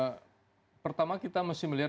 saya pikir pertama kita mesti melihat